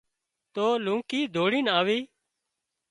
تو لونڪِي ڌوڙينَ آوي